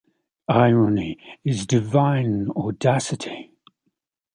Irony is "divine audacity".